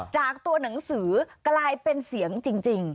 จากตัวหนังสือกลายเป็นเสียงจริง